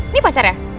ini pacar ya